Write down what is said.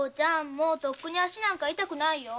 もうとっくに足なんか痛くないよ。